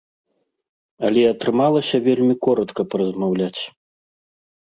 Але атрымалася вельмі коратка паразмаўляць.